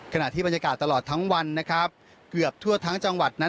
ขณะที่บรรยากาศตลอดทั้งวันนะครับเกือบทั่วทั้งจังหวัดนั้น